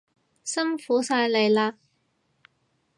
辛苦晒你喇